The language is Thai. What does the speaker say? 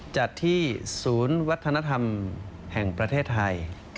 จัดที่ศูนย์วัฒนธรรมแห่งประเทศไทย